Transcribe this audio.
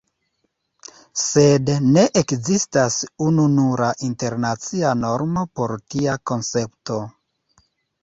Sed ne ekzistas ununura internacia normo por tia koncepto.